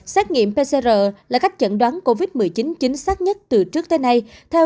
xét nghiệm pcr là cách chẩn đoán covid một mươi chín chính xác nhất từ trước tới nay